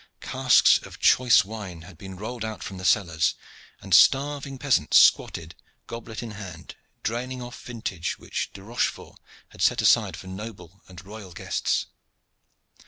Casks of choice wine had been rolled out from the cellars, and starving peasants squatted, goblet in hand, draining off vintages which De Rochefort had set aside for noble and royal guests.